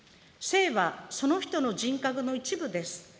姓はその人の人格の一部です。